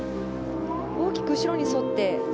大きく後ろに沿って。